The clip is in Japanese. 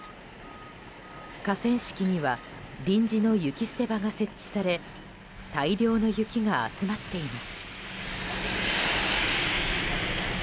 河川敷には臨時の雪捨て場が設置され大量の雪が集まっています。